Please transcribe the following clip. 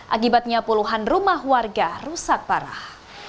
akibatnya puluhan rumah warga rusak parah